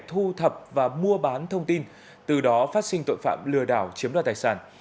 thu thập và mua bán thông tin từ đó phát sinh tội phạm lừa đảo chiếm đoạt tài sản